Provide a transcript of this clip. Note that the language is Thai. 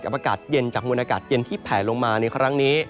อากาศเย็นจากมวลอากาศเย็นที่แผลลงมาในครั้งนี้